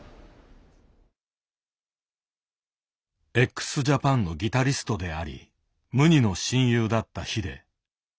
ＸＪＡＰＡＮのギタリストであり無二の親友だったＨＩＤＥ。